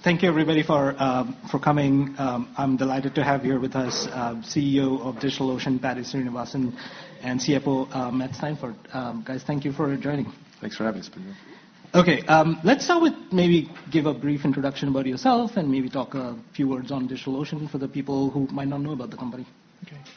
Thank you, everybody, for coming. I'm delighted to have here with us CEO of DigitalOcean, Paddy Srinivasan, and CFO Matt Steinfort. Guys, thank you for joining. Thanks for having us, Paddy. OK, let's start with maybe give a brief introduction about yourself and maybe talk a few words on DigitalOcean for the people who might not know about the company. OK,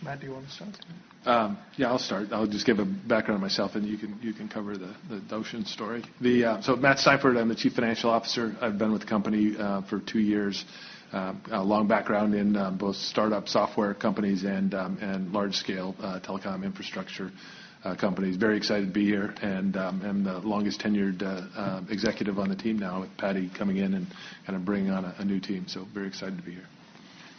Matt, do you want to start? Yeah, I'll start. I'll just give a background on myself, and you can cover the Ocean story. So Matt Steinfort, I'm the Chief Financial Officer. I've been with the company for two years, a long background in both startup software companies and large-scale telecom infrastructure companies. Very excited to be here. And I'm the longest-tenured executive on the team now, with Paddy coming in and kind of bringing on a new team. So very excited to be here.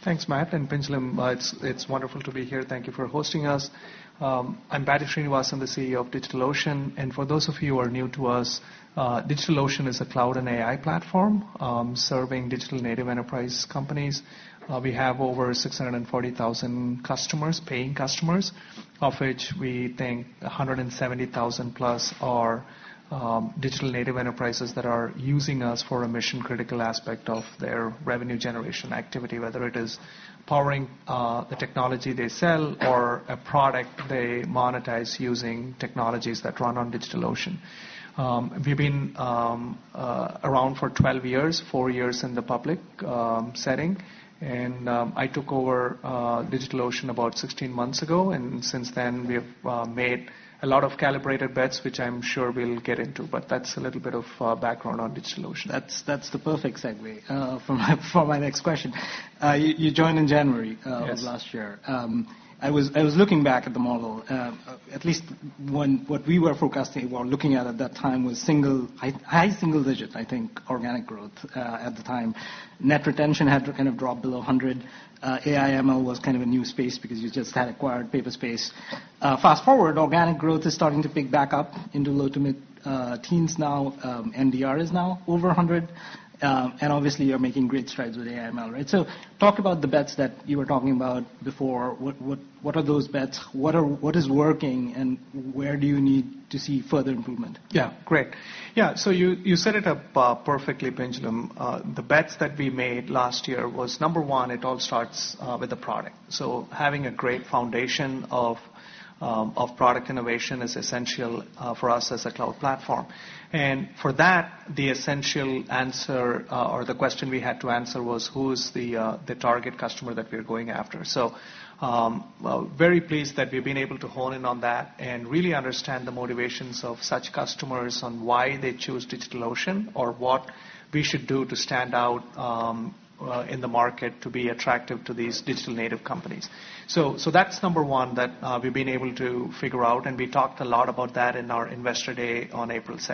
Thanks, Matt. And Pinjalim, it's wonderful to be here. Thank you for hosting us. I'm Paddy Srinivasan, the CEO of DigitalOcean. And for those of you who are new to us, DigitalOcean is a cloud and AI platform serving digital native enterprise companies. We have over 640,000 paying customers, of which we think 170,000 plus are digital native enterprises that are using us for a mission-critical aspect of their revenue generation activity, whether it is powering the technology they sell or a product they monetize using technologies that run on DigitalOcean. We've been around for 12 years, four years in the public setting. And I took over DigitalOcean about 16 months ago. And since then, we've made a lot of calibrated bets, which I'm sure we'll get into. But that's a little bit of background on DigitalOcean. That's the perfect segue for my next question. You joined in January of last year. I was looking back at the model. At least what we were forecasting, we were looking at at that time was single high single-digit, I think, organic growth at the time. Net retention had kind of dropped below 100. AI/ML was kind of a new space because you just had acquired Paperspace. Fast forward, organic growth is starting to pick back up into low to mid-teens now. NDR is now over 100. And obviously, you're making great strides with AI/ML, right? So talk about the bets that you were talking about before. What are those bets? What is working? And where do you need to see further improvement? Yeah. Great. Yeah, so you set it up perfectly, Pinjalim. The bets that we made last year was, number one, it all starts with the product. So having a great foundation of product innovation is essential for us as a cloud platform. And for that, the essential answer or the question we had to answer was, who is the target customer that we're going after? So very pleased that we've been able to hone in on that and really understand the motivations of such customers on why they choose DigitalOcean or what we should do to stand out in the market to be attractive to these digital native companies. So that's number one that we've been able to figure out. And we talked a lot about that in our investor day on April 2.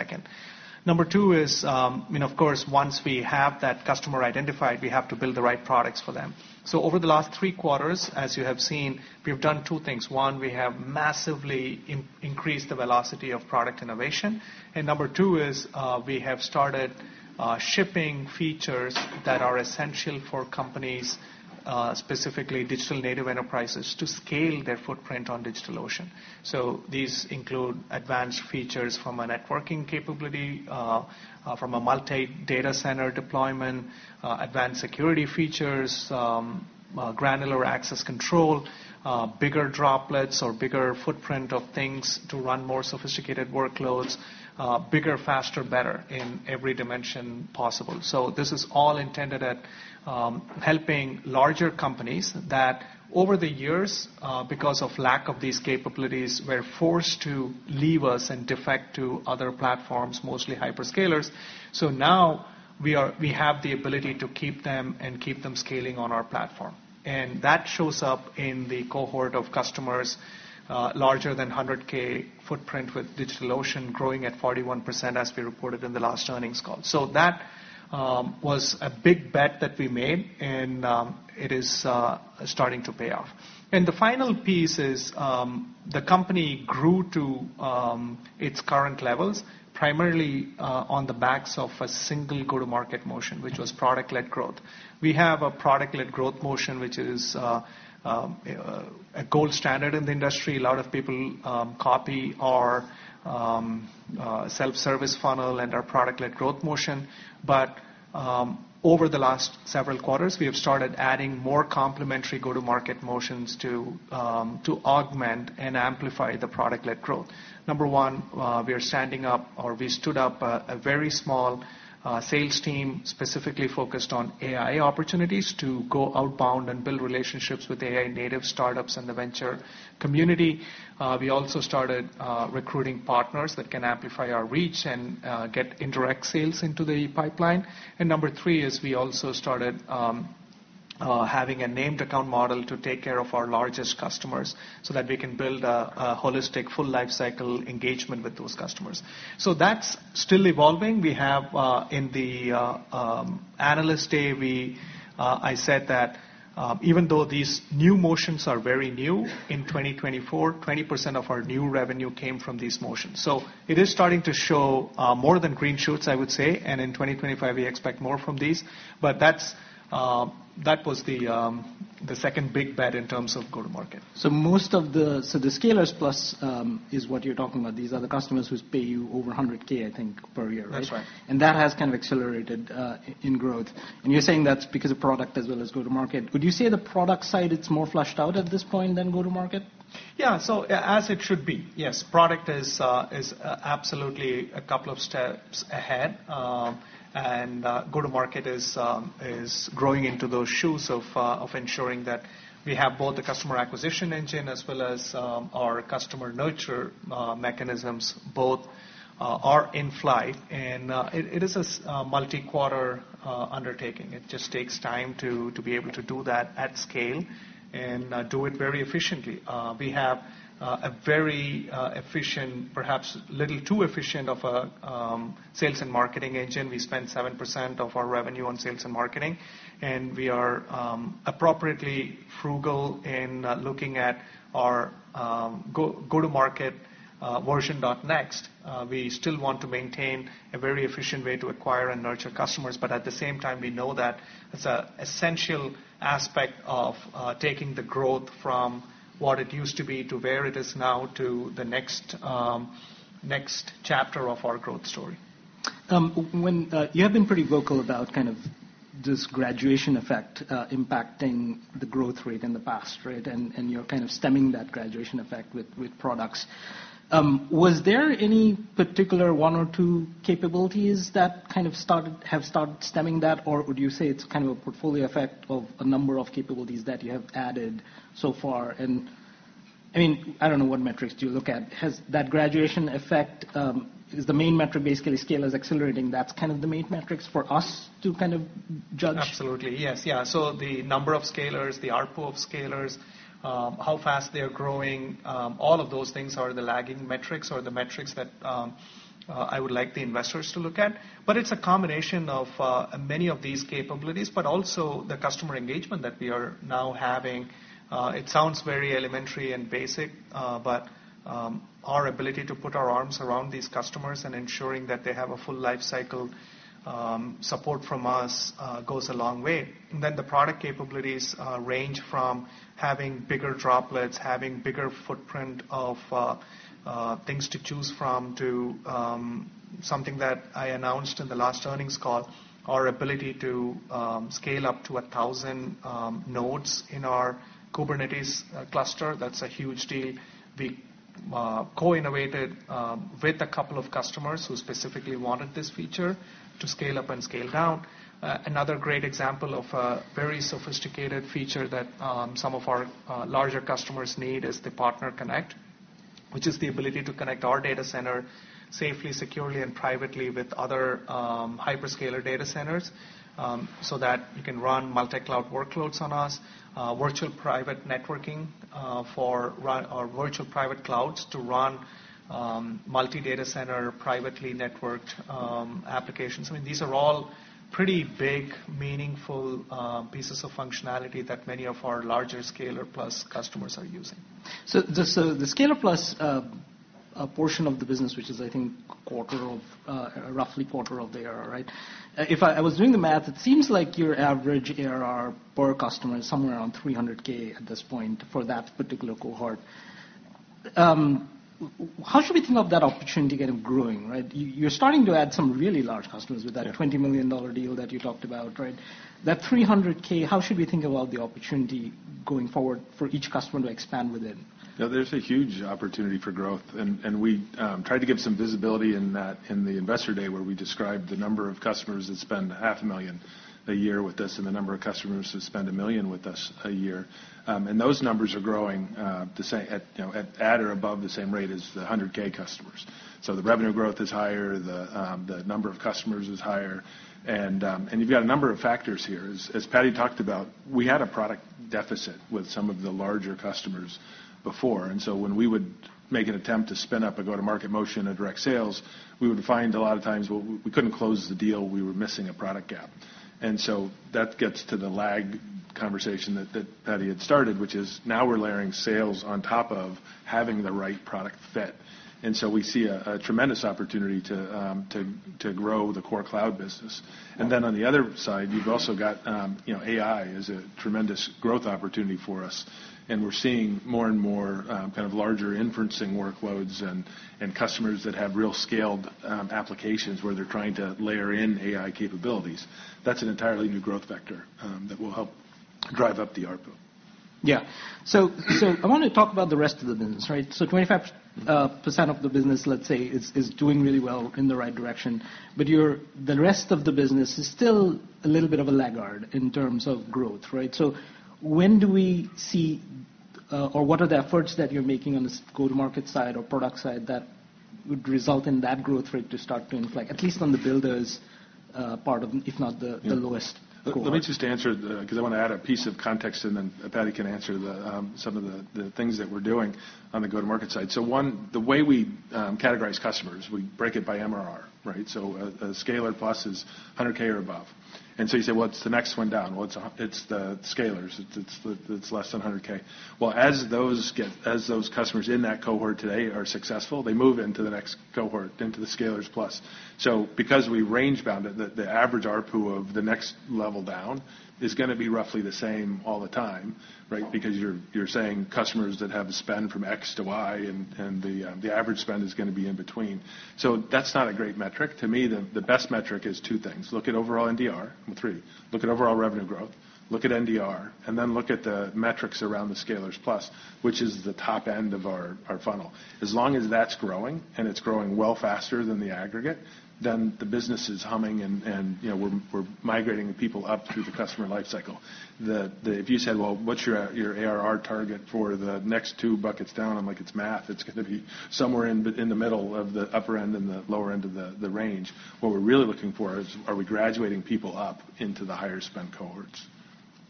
Number two is, of course, once we have that customer identified, we have to build the right products for them. So over the last three quarters, as you have seen, we've done two things. One, we have massively increased the velocity of product innovation. And number two is we have started shipping features that are essential for companies, specifically digital native enterprises, to scale their footprint on DigitalOcean. So these include advanced features from a networking capability, from a multi-data center deployment, advanced security features, granular access control, bigger Droplets or bigger footprint of things to run more sophisticated workloads, bigger, faster, better in every dimension possible. So this is all intended at helping larger companies that, over the years, because of lack of these capabilities, were forced to leave us and defect to other platforms, mostly hyperscalers. So now we have the ability to keep them and keep them scaling on our platform. And that shows up in the cohort of customers larger than 100K footprint with DigitalOcean growing at 41%, as we reported in the last earnings call. So that was a big bet that we made. And it is starting to pay off. And the final piece is the company grew to its current levels primarily on the backs of a single go-to-market motion, which was product-led growth. We have a product-led growth motion, which is a gold standard in the industry. A lot of people copy our self-service funnel and our product-led growth motion. But over the last several quarters, we have started adding more complementary go-to-market motions to augment and amplify the product-led growth. Number one, we are standing up or we stood up a very small sales team specifically focused on AI opportunities to go outbound and build relationships with AI-native startups and the venture community. We also started recruiting partners that can amplify our reach and get indirect sales into the pipeline, and number three is we also started having a named account model to take care of our largest customers so that we can build a holistic full-life cycle engagement with those customers, so that's still evolving. In the Analyst Day, I said that even though these new motions are very new, in 2024, 20% of our new revenue came from these motions, so it is starting to show more than green shoots, I would say, and in 2025, we expect more from these, but that was the second big bet in terms of go-to-market. Most of the Scalers Plus is what you're talking about. These are the customers who pay you over $100K, I think, per year, right? That's right. And that has kind of accelerated in growth. And you're saying that's because of product as well as go-to-market. Would you say the product side is more flushed out at this point than go-to-market? Yeah, so as it should be, yes. Product is absolutely a couple of steps ahead, and go-to-market is growing into those shoes of ensuring that we have both the customer acquisition engine as well as our customer nurture mechanisms both are in flight, and it is a multi-quarter undertaking. It just takes time to be able to do that at scale and do it very efficiently. We have a very efficient, perhaps a little too efficient, sales and marketing engine. We spend 7% of our revenue on sales and marketing, and we are appropriately frugal in looking at our go-to-market version next. We still want to maintain a very efficient way to acquire and nurture customers, but at the same time, we know that it's an essential aspect of taking the growth from what it used to be to where it is now to the next chapter of our growth story. You have been pretty vocal about kind of this graduation effect impacting the growth rate in the past, right? And you're kind of stemming that graduation effect with products. Was there any particular one or two capabilities that kind of have started stemming that? Or would you say it's kind of a portfolio effect of a number of capabilities that you have added so far? And I mean, I don't know what metrics do you look at? Has that graduation effect? Is the main metric basically scalers accelerating? That's kind of the main metrics for us to kind of judge? Absolutely, yes. Yeah, so the number of scalers, the output of scalers, how fast they're growing, all of those things are the lagging metrics or the metrics that I would like the investors to look at. But it's a combination of many of these capabilities, but also the customer engagement that we are now having. It sounds very elementary and basic, but our ability to put our arms around these customers and ensuring that they have a full-life cycle support from us goes a long way. And then the product capabilities range from having bigger Droplets, having bigger footprint of things to choose from to something that I announced in the last earnings call, our ability to scale up to 1,000 nodes in our Kubernetes cluster. That's a huge deal. We co-innovated with a couple of customers who specifically wanted this feature to scale up and scale down. Another great example of a very sophisticated feature that some of our larger customers need is the Partner Connect, which is the ability to connect our data center safely, securely, and privately with other hyperscaler data centers so that you can run multi-cloud workloads on us. Virtual Private Networking for our Virtual Private Clouds to run multi-data center privately networked applications. I mean, these are all pretty big, meaningful pieces of functionality that many of our larger Scalers Plus customers are using. The Scalers Plus portion of the business, which is, I think, roughly a quarter of the ARR, right? If I was doing the math, it seems like your average ARR per customer is somewhere around 300K at this point for that particular cohort. How should we think of that opportunity kind of growing, right? You're starting to add some really large customers with that $20 million deal that you talked about, right? That 300K, how should we think about the opportunity going forward for each customer to expand within? Yeah, there's a huge opportunity for growth. We tried to give some visibility in the investor day where we described the number of customers that spend $500,000 a year with us and the number of customers who spend $1 million a year with us. Those numbers are growing at or above the same rate as the 100K customers. The revenue growth is higher. The number of customers is higher. You've got a number of factors here. As Paddy talked about, we had a product deficit with some of the larger customers before. When we would make an attempt to spin up a go-to-market motion and direct sales, we would find a lot of times we couldn't close the deal. We were missing a product gap. And so that gets to the lag conversation that Paddy had started, which is now we're layering sales on top of having the right product fit. And so we see a tremendous opportunity to grow the core cloud business. And then on the other side, you've also got AI as a tremendous growth opportunity for us. And we're seeing more and more kind of larger inferencing workloads and customers that have real scaled applications where they're trying to layer in AI capabilities. That's an entirely new growth vector that will help drive up the output. Yeah. So I want to talk about the rest of the business, right? So 25% of the business, let's say, is doing really well in the right direction. But the rest of the business is still a little bit of a laggard in terms of growth, right? So when do we see or what are the efforts that you're making on the go-to-market side or product side that would result in that growth rate to start to inflect, at least on the builders' part of, if not the lowest cohort? Let me just answer because I want to add a piece of context, and then Paddy can answer some of the things that we're doing on the go-to-market side. One, the way we categorize customers, we break it by MRR, right? A Scalers Plus is 100K or above. And so you say, well, it's the next one down. Well, it's the Scalers. It's less than 100K. Well, as those customers in that cohort today are successful, they move into the next cohort, into the Scalers Plus. Because we range-bound it, the average RPU of the next level down is going to be roughly the same all the time, right? Because you're saying customers that have a spend from X to Y, and the average spend is going to be in between. That's not a great metric. To me, the best metric is two things. Look at overall NDR, number three. Look at overall revenue growth. Look at NDR, and then look at the metrics around the Scalers Plus, which is the top end of our funnel. As long as that's growing and it's growing well faster than the aggregate, then the business is humming and we're migrating people up through the customer lifecycle. If you said, well, what's your ARR target for the next two buckets down? I'm like, it's math. It's going to be somewhere in the middle of the upper end and the lower end of the range. What we're really looking for is, are we graduating people up into the higher spend cohorts?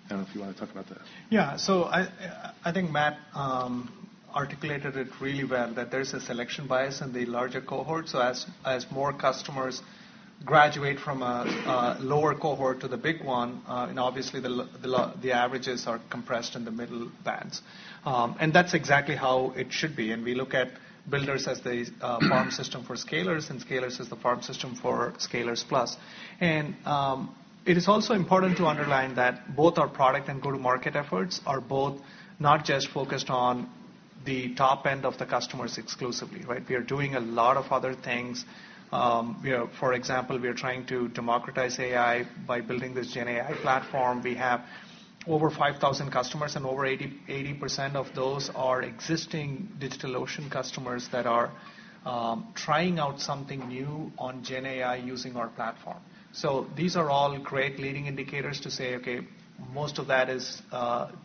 I don't know if you want to talk about that. Yeah. So I think Matt articulated it really well that there's a selection bias in the larger cohort. So as more customers graduate from a lower cohort to the big one, obviously the averages are compressed in the middle bands. And that's exactly how it should be. And we look at builders as the farm system for scalers and scalers as the farm system for scalers plus. And it is also important to underline that both our product and go-to-market efforts are both not just focused on the top end of the customers exclusively, right? We are doing a lot of other things. For example, we are trying to democratize AI by building this GenAI platform. We have over 5,000 customers, and over 80% of those are existing DigitalOcean customers that are trying out something new on GenAI using our platform. So these are all great leading indicators to say, okay, most of that is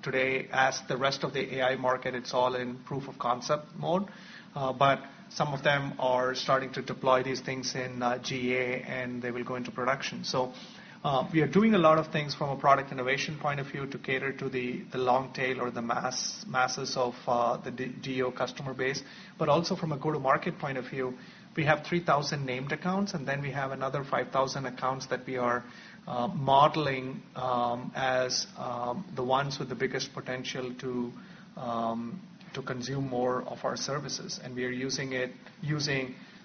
today, as the rest of the AI market, it's all in proof of concept mode. But some of them are starting to deploy these things in GA, and they will go into production. So we are doing a lot of things from a product innovation point of view to cater to the long tail or the masses of the DO customer base. But also from a go-to-market point of view, we have 3,000 named accounts, and then we have another 5,000 accounts that we are modeling as the ones with the biggest potential to consume more of our services. And we are using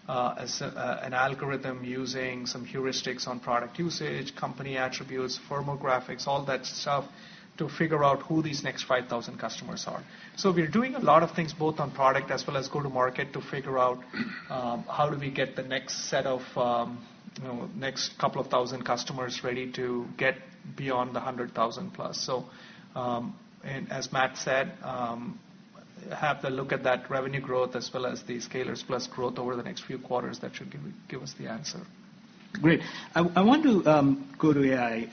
an algorithm using some heuristics on product usage, company attributes, firmographics, all that stuff to figure out who these next 5,000 customers are. We're doing a lot of things both on product as well as go-to-market to figure out how do we get the next set of next couple of thousand customers ready to get beyond the 100,000 plus. As Matt said, have a look at that revenue growth as well as the Scalers Plus growth over the next few quarters, that should give us the answer. Great. I want to go to AI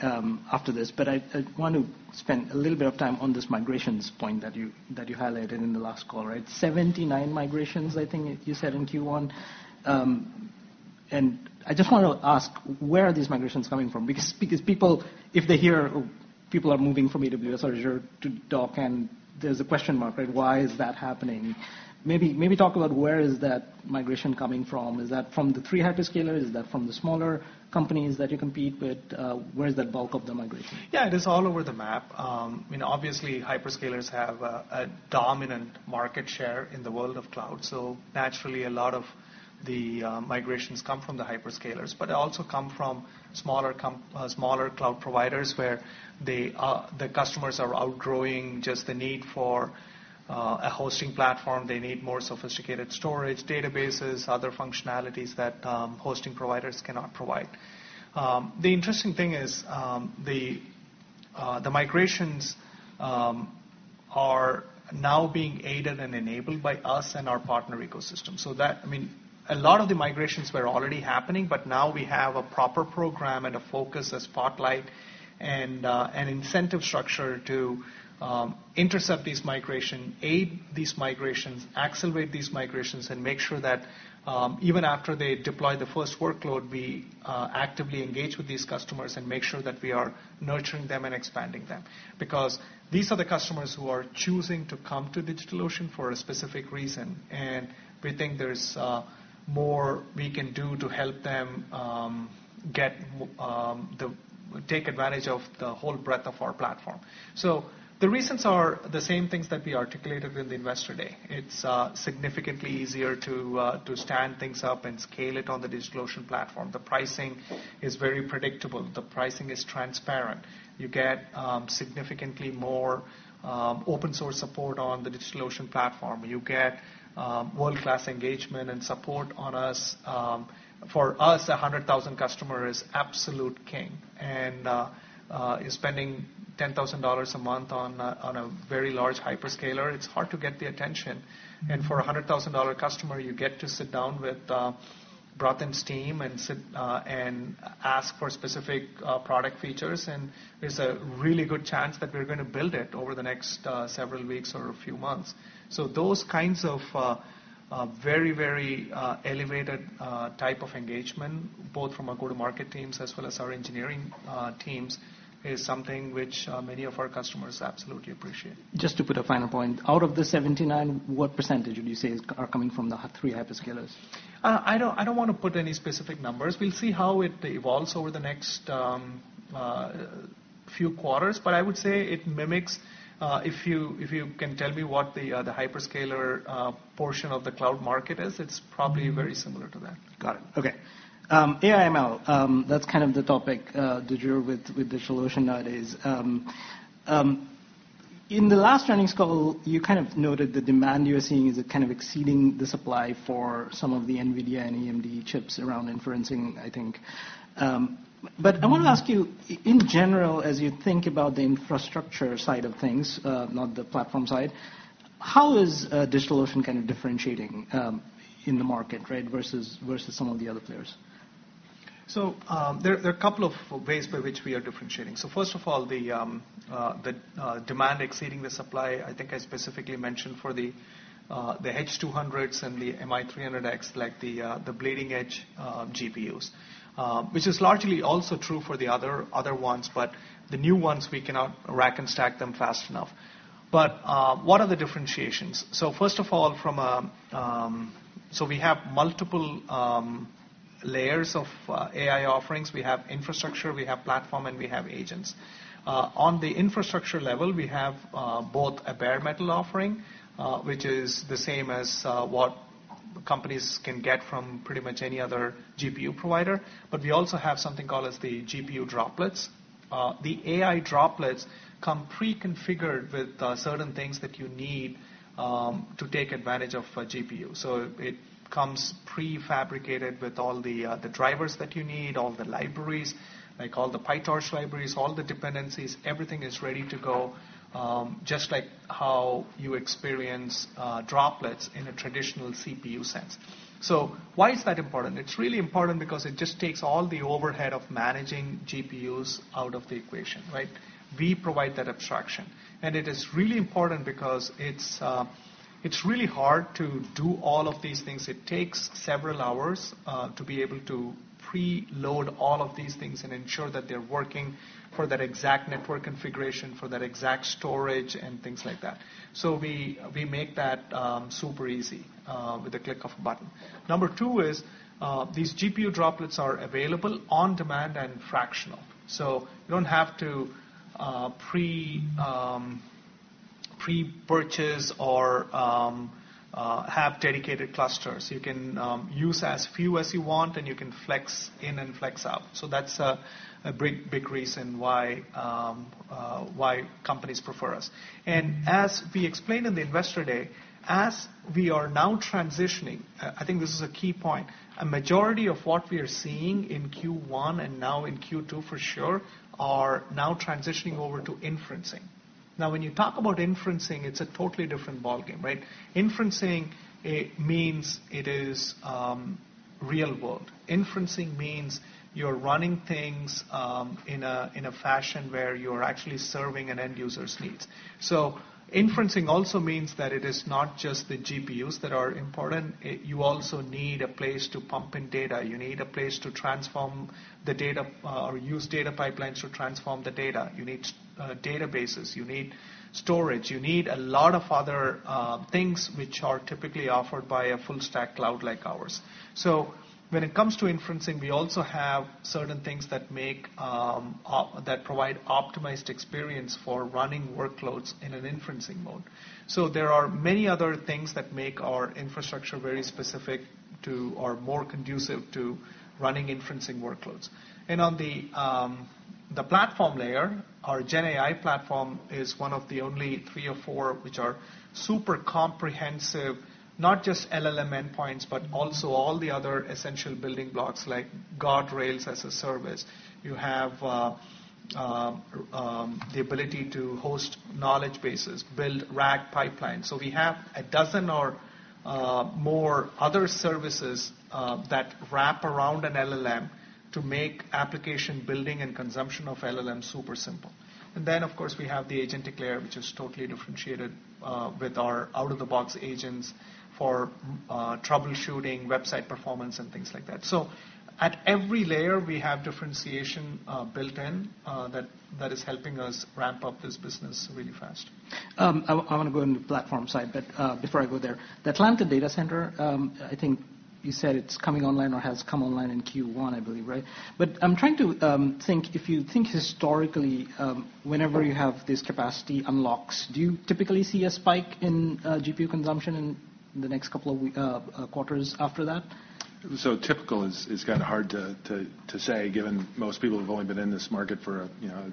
after this, but I want to spend a little bit of time on this migrations point that you highlighted in the last call, right? 79 migrations, I think you said in Q1. And I just want to ask, where are these migrations coming from? Because people, if they hear people are moving from AWS or Azure to DO, and there's a question mark, right? Why is that happening? Maybe talk about where is that migration coming from? Is that from the three hyperscalers? Is that from the smaller companies that you compete with? Where is that bulk of the migration? Yeah, it is all over the map. I mean, obviously, hyperscalers have a dominant market share in the world of cloud, so naturally, a lot of the migrations come from the hyperscalers, but also come from smaller cloud providers where the customers are outgrowing just the need for a hosting platform. They need more sophisticated storage, databases, other functionalities that hosting providers cannot provide. The interesting thing is the migrations are now being aided and enabled by us and our partner ecosystem, so that, I mean, a lot of the migrations were already happening, but now we have a proper program and a focus and spotlight and an incentive structure to intercept these migrations, aid these migrations, accelerate these migrations, and make sure that even after they deploy the first workload, we actively engage with these customers and make sure that we are nurturing them and expanding them. Because these are the customers who are choosing to come to DigitalOcean for a specific reason. And we think there's more we can do to help them take advantage of the whole breadth of our platform. So the reasons are the same things that we articulated in the investor day. It's significantly easier to stand things up and scale it on the DigitalOcean platform. The pricing is very predictable. The pricing is transparent. You get significantly more open-source support on the DigitalOcean platform. You get world-class engagement and support on us. For us, a $100,000 customer is absolute king. And you're spending $10,000 a month on a very large hyperscaler. It's hard to get the attention. And for a $100,000 customer, you get to sit down with Bratin and Steinfort and ask for specific product features. There's a really good chance that we're going to build it over the next several weeks or a few months. Those kinds of very, very elevated type of engagement, both from our go-to-market teams as well as our engineering teams, is something which many of our customers absolutely appreciate. Just to put a final point, out of the 79, what percentage would you say are coming from the three hyperscalers? I don't want to put any specific numbers. We'll see how it evolves over the next few quarters. But I would say it mimics, if you can tell me what the hyperscaler portion of the cloud market is, it's probably very similar to that. Got it. Okay. AI/ML, that's kind of the topic to deal with DigitalOcean nowadays. In the last earnings call, you kind of noted the demand you were seeing is kind of exceeding the supply for some of the NVIDIA and AMD chips around inferencing, I think. But I want to ask you, in general, as you think about the infrastructure side of things, not the platform side, how is DigitalOcean kind of differentiating in the market, right, versus some of the other players? So there are a couple of ways by which we are differentiating. So first of all, the demand exceeding the supply, I think I specifically mentioned for the H200s and the MI300X, like the bleeding-edge GPUs, which is largely also true for the other ones, but the new ones, we cannot rack and stack them fast enough. But what are the differentiations? So first of all, from a, so we have multiple layers of AI offerings. We have infrastructure, we have platform, and we have agents. On the infrastructure level, we have both a bare metal offering, which is the same as what companies can get from pretty much any other GPU provider. But we also have something called the GPU Droplets. The AI droplets come pre-configured with certain things that you need to take advantage of a GPU. So it comes pre-fabricated with all the drivers that you need, all the libraries, like all the PyTorch libraries, all the dependencies. Everything is ready to go, just like how you experience droplets in a traditional CPU sense. So why is that important? It's really important because it just takes all the overhead of managing GPUs out of the equation, right? We provide that abstraction, and it is really important because it's really hard to do all of these things. It takes several hours to be able to preload all of these things and ensure that they're working for that exact network configuration, for that exact storage, and things like that, so we make that super easy with a click of a button. Number two is these GPU droplets are available on demand and fractional, so you don't have to pre-purchase or have dedicated clusters. You can use as few as you want, and you can flex in and flex out, so that's a big, big reason why companies prefer us, and as we explained in the investor day, as we are now transitioning, I think this is a key point, a majority of what we are seeing in Q1 and now in Q2 for sure are now transitioning over to inferencing. Now, when you talk about inferencing, it's a totally different ballgame, right? Inferencing means it is real world. Inferencing means you're running things in a fashion where you're actually serving an end user's needs, so inferencing also means that it is not just the GPUs that are important. You also need a place to pump in data. You need a place to transform the data or use data pipelines to transform the data. You need databases. You need storage. You need a lot of other things which are typically offered by a full-stack cloud like ours. So when it comes to inferencing, we also have certain things that provide optimized experience for running workloads in an inferencing mode. So there are many other things that make our infrastructure very specific to or more conducive to running inferencing workloads. And on the platform layer, our GenAI Platform is one of the only three or four which are super comprehensive, not just LLM endpoints, but also all the other essential building blocks like Guardrails as a service. You have the ability to host knowledge bases, build RAG pipelines. So we have a dozen or more other services that wrap around an LLM to make application building and consumption of LLM super simple. Then, of course, we have the agentic layer, which is totally differentiated with our out-of-the-box agents for troubleshooting, website performance, and things like that. At every layer, we have differentiation built in that is helping us ramp up this business really fast. I want to go into the platform side, but before I go there, the Atlanta data center, I think you said it's coming online or has come online in Q1, I believe, right? But I'm trying to think, if you think historically, whenever you have these capacity unlocks, do you typically see a spike in GPU consumption in the next couple of quarters after that? So, typical is kind of hard to say, given most people have only been in this market for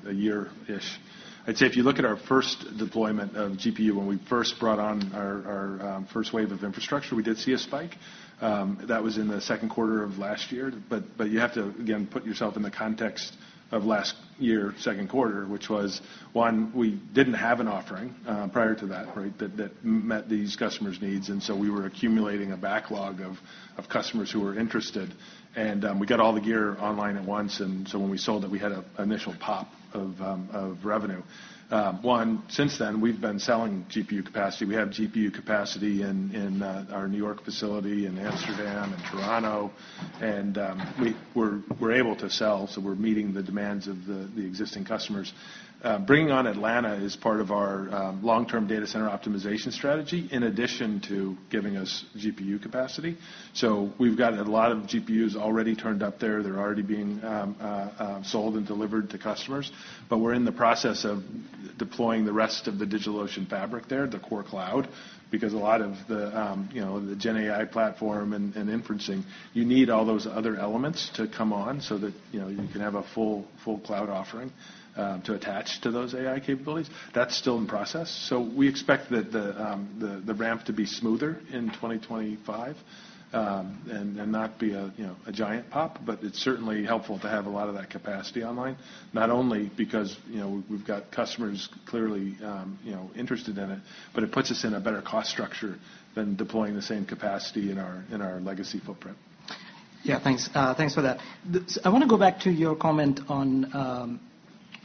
a year-ish. I'd say if you look at our first deployment of GPU, when we first brought on our first wave of infrastructure, we did see a spike. That was in the second quarter of last year, but you have to, again, put yourself in the context of last year's second quarter, which was, one, we didn't have an offering prior to that, right, that met these customers' needs, and so we were accumulating a backlog of customers who were interested, and we got all the gear online at once, and so when we sold it, we had an initial pop of revenue. One, since then, we've been selling GPU capacity. We have GPU capacity in our New York facility, in Amsterdam, in Toronto. We're able to sell, so we're meeting the demands of the existing customers. Bringing on Atlanta is part of our long-term data center optimization strategy, in addition to giving us GPU capacity. We've got a lot of GPUs already turned up there. They're already being sold and delivered to customers. We're in the process of deploying the rest of the DigitalOcean fabric there, the core cloud, because a lot of the GenAI platform and inferencing, you need all those other elements to come on so that you can have a full cloud offering to attach to those AI capabilities. That's still in process. So we expect the ramp to be smoother in 2025 and not be a giant pop, but it's certainly helpful to have a lot of that capacity online, not only because we've got customers clearly interested in it, but it puts us in a better cost structure than deploying the same capacity in our legacy footprint. Yeah, thanks. Thanks for that. I want to go back to your comment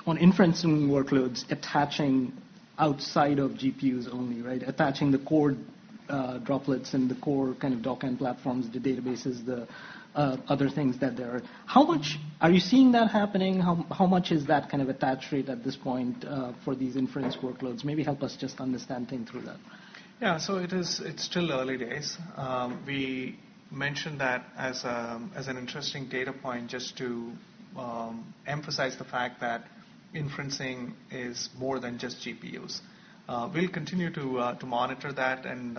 on inferencing workloads attaching outside of GPUs only, right? Attaching the core droplets and the core kind of DOKS and platforms, the databases, the other things that they're. How much are you seeing that happening? How much is that kind of attach rate at this point for these inference workloads? Maybe help us just understand things through that. Yeah, so it's still early days. We mentioned that as an interesting data point just to emphasize the fact that inferencing is more than just GPUs. We'll continue to monitor that, and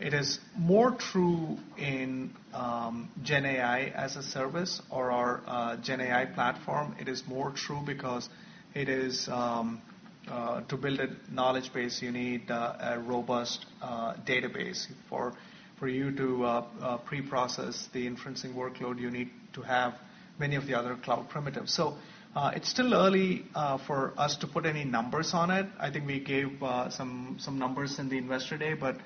it is more true in GenAI as a service or our GenAI Platform. It is more true because it is to build a knowledge base, you need a robust database for you to pre-process the inferencing workload. You need to have many of the other cloud primitives. It's still early for us to put any numbers on it. I think we gave some numbers in the Investor Day, but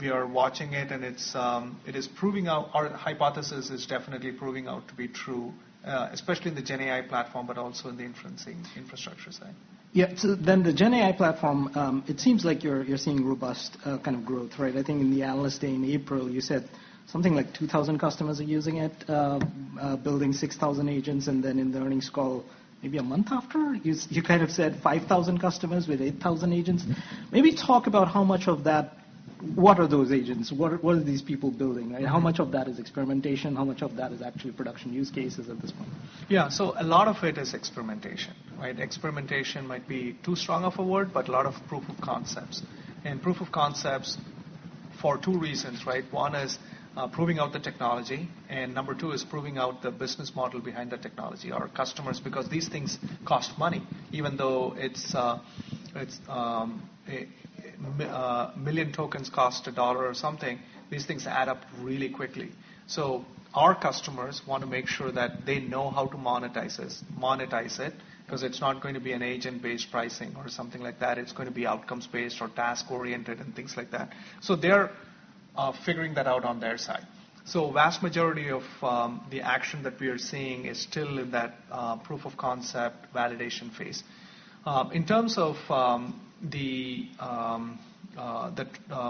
we are watching it, and it is proving out our hypothesis is definitely proving out to be true, especially in the GenAI Platform, but also in the inferencing infrastructure side. Yeah. So then the GenAI platform, it seems like you're seeing robust kind of growth, right? I think in the analyst day in April, you said something like 2,000 customers are using it, building 6,000 agents. And then in the earnings call, maybe a month after, you kind of said 5,000 customers with 8,000 agents. Maybe talk about how much of that—what are those agents? What are these people building? How much of that is experimentation? How much of that is actually production use cases at this point? Yeah. So a lot of it is experimentation, right? Experimentation might be too strong of a word, but a lot of proof of concepts, and proof of concepts for two reasons, right? One is proving out the technology, and number two is proving out the business model behind that technology or customers, because these things cost money. Even though it's 1 million tokens cost $1 or something, these things add up really quickly. So our customers want to make sure that they know how to monetize it, because it's not going to be an agent-based pricing or something like that. It's going to be outcomes-based or task-oriented and things like that. So they're figuring that out on their side. So the vast majority of the action that we are seeing is still in that proof of concept validation phase. In terms of the,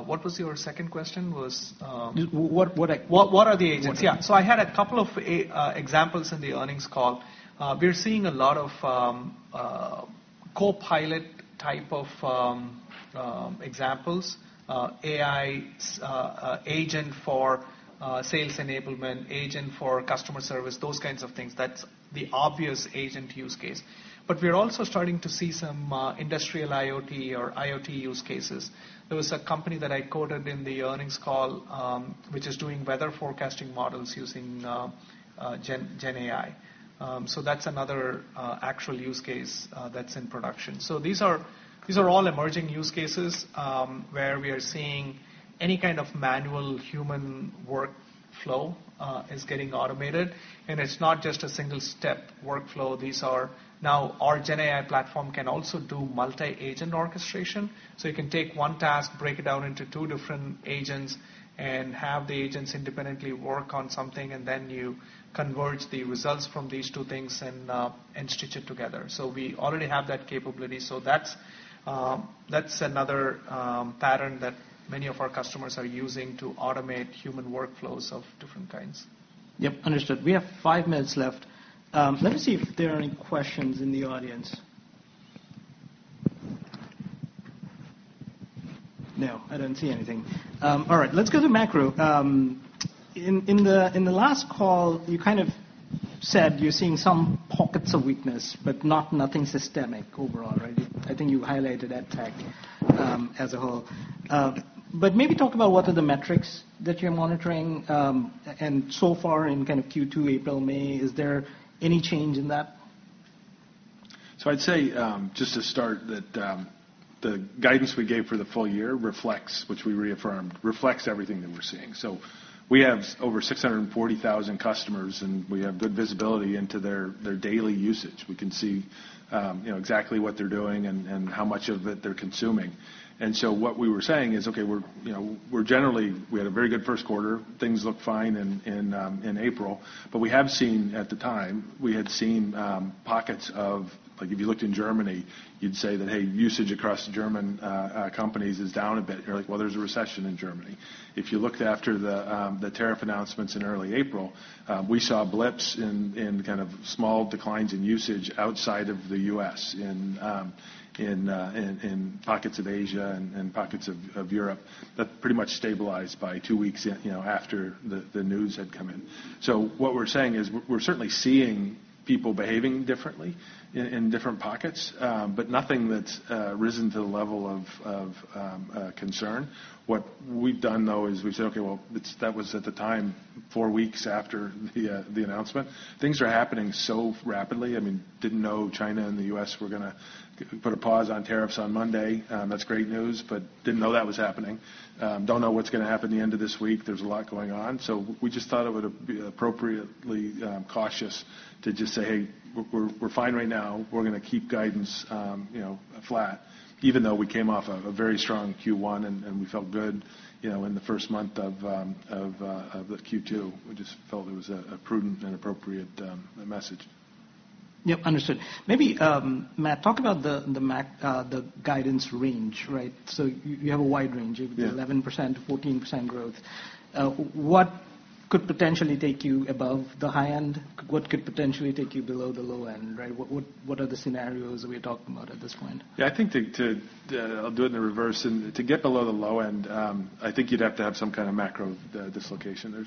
what was your second question? What are the agents? Yeah. So I had a couple of examples in the earnings call. We're seeing a lot of copilot type of examples: AI agent for sales enablement, agent for customer service, those kinds of things. That's the obvious agent use case. But we're also starting to see some industrial IoT or IoT use cases. There was a company that I quoted in the earnings call, which is doing weather forecasting models using GenAI. So that's another actual use case that's in production. So these are all emerging use cases where we are seeing any kind of manual human workflow is getting automated. And it's not just a single-step workflow. These are now our GenAI platform can also do multi-agent orchestration. So you can take one task, break it down into two different agents, and have the agents independently work on something, and then you converge the results from these two things and stitch it together. So we already have that capability. So that's another pattern that many of our customers are using to automate human workflows of different kinds. Yep. Understood. We have five minutes left. Let me see if there are any questions in the audience. No. I don't see anything. All right. Let's go to macro. In the last call, you kind of said you're seeing some pockets of weakness, but not nothing systemic overall, right? I think you highlighted EdTech as a whole. But maybe talk about what are the metrics that you're monitoring. And so far in kind of Q2, April, May, is there any change in that? So I'd say just to start that the guidance we gave for the full year reflects, which we reaffirmed, reflects everything that we're seeing. So we have over 640,000 customers, and we have good visibility into their daily usage. We can see exactly what they're doing and how much of it they're consuming. And so what we were saying is, okay, we're generally, we had a very good first quarter. Things looked fine in April. But we have seen at the time, we had seen pockets of, like if you looked in Germany, you'd say that, hey, usage across German companies is down a bit. You're like, well, there's a recession in Germany. If you looked after the tariff announcements in early April, we saw blips in kind of small declines in usage outside of the U.S. in pockets of Asia and pockets of Europe. That pretty much stabilized by two weeks after the news had come in. So what we're saying is we're certainly seeing people behaving differently in different pockets, but nothing that's risen to the level of concern. What we've done, though, is we've said, okay, well, that was at the time, four weeks after the announcement. Things are happening so rapidly. I mean, didn't know China and the U.S. were going to put a pause on tariffs on Monday. That's great news, but didn't know that was happening. Don't know what's going to happen at the end of this week. There's a lot going on. So we just thought it would be appropriately cautious to just say, hey, we're fine right now. We're going to keep guidance flat, even though we came off a very strong Q1 and we felt good in the first month of Q2. We just felt it was a prudent and appropriate message. Yep. Understood. Maybe, Matt, talk about the guidance range, right? So you have a wide range, 11%-14% growth. What could potentially take you above the high end? What could potentially take you below the low end, right? What are the scenarios we're talking about at this point? Yeah. I think I'll do it in the reverse. And to get below the low end, I think you'd have to have some kind of macro dislocation.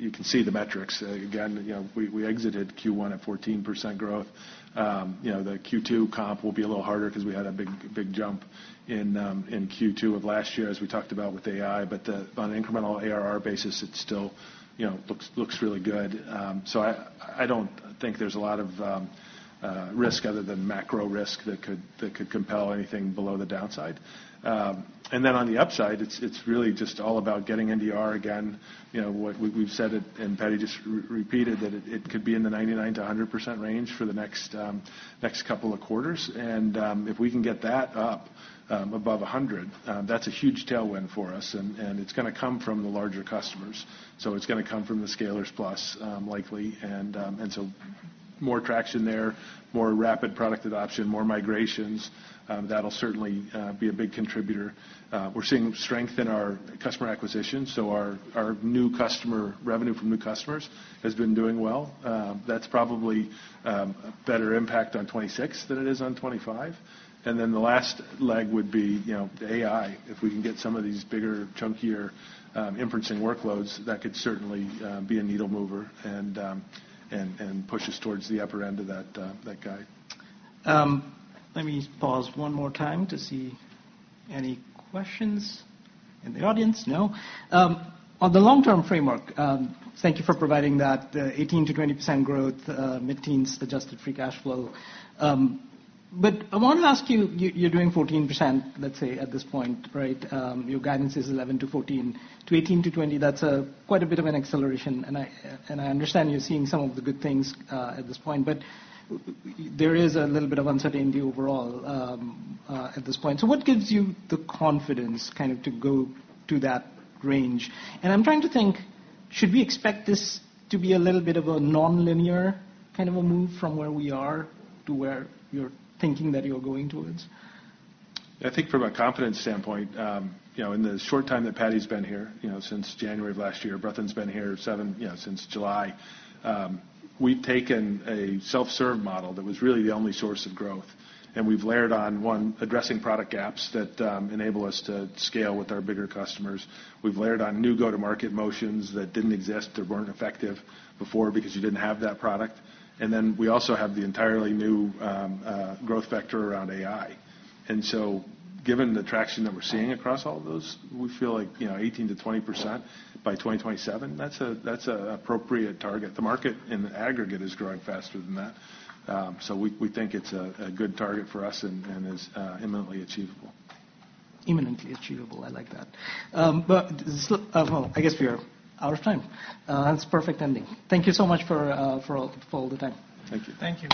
You can see the metrics. Again, we exited Q1 at 14% growth. The Q2 comp will be a little harder because we had a big jump in Q2 of last year, as we talked about with AI. But on an incremental ARR basis, it still looks really good. So I don't think there's a lot of risk other than macro risk that could compel anything below the downside. And then on the upside, it's really just all about getting NDR again. We've said it, and Paddy just repeated that it could be in the 99%-100% range for the next couple of quarters. And if we can get that up above 100, that's a huge tailwind for us. It's going to come from the larger customers. It's going to come from the Scalers Plus likely. More traction there, more rapid product adoption, more migrations, that'll certainly be a big contributor. We're seeing strength in our customer acquisition. Our new customer revenue from new customers has been doing well. That's probably a better impact on 2026 than it is on 2025. The last leg would be AI. If we can get some of these bigger, chunkier inferencing workloads, that could certainly be a needle mover and push us towards the upper end of that guide. Let me pause one more time to see any questions in the audience. No. On the long-term framework, thank you for providing that 18%-20% growth, mid-teens adjusted free cash flow. But I want to ask you, you're doing 14%, let's say, at this point, right? Your guidance is 11%-14%. To 18%-20%, that's quite a bit of an acceleration. And I understand you're seeing some of the good things at this point, but there is a little bit of uncertainty overall at this point. So what gives you the confidence kind of to go to that range? And I'm trying to think, should we expect this to be a little bit of a non-linear kind of a move from where we are to where you're thinking that you're going towards? Yeah. I think from a confidence standpoint, in the short time that Paddy's been here, since January of last year, Bratin's been here since July, we've taken a self-serve model that was really the only source of growth. And we've layered on, one, addressing product gaps that enable us to scale with our bigger customers. We've layered on new go-to-market motions that didn't exist or weren't effective before because you didn't have that product. And then we also have the entirely new growth vector around AI. And so given the traction that we're seeing across all of those, we feel like 18%-20% by 2027, that's an appropriate target. The market in aggregate is growing faster than that. So we think it's a good target for us and is imminently achievable. Imminently achievable. I like that. Well, I guess we are out of time. That's a perfect ending. Thank you so much for all the time. Thank you. Thank you.